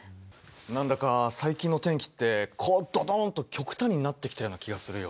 何だか最近の天気ってこうドドンッと極端になってきたような気がするよ。